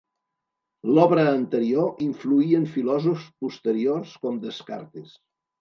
L’obra anterior influí en filòsofs posteriors com Descartes.